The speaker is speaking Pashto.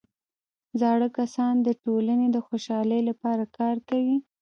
زاړه کسان د ټولنې د خوشحالۍ لپاره کار کوي